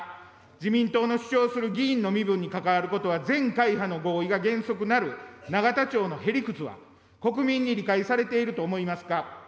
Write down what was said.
自民党の主張する議員の身分に関わることは、全会派の合意が原則なる永田町のへ理屈は国民に理解されていると思いますか。